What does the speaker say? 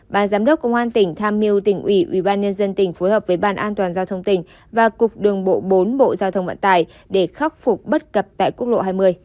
bà giám đốc công an tỉnh tham miêu tỉnh ủy ủy ban nhân dân tỉnh phối hợp với bàn an toàn giao thông tỉnh và cục đường bộ bốn bộ giao thông vận tài để khắc phục bất cập tại quốc lộ hai mươi